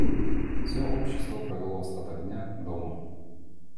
Все общество провело остаток дня дома.